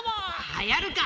はやるか！